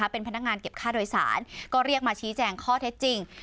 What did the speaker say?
เป็นพนักงานเก็บค่าโดยสารก็เรียกมาชี้แจงข้อเท็จจริง